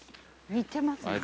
似てますね。